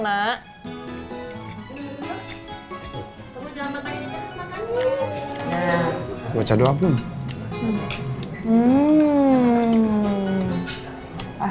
kamu jangan makan ini terus makan nih